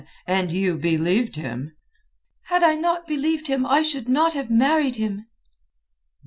"And you believed him?" "Had I not believed him I should not have married him."